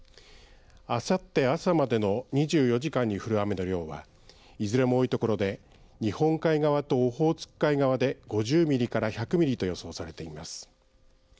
あさって朝までの２４時間に降る雨の量はいずれも多いところで日本海側とオホーツク海側で５０ミリから１００ミリと予想されています。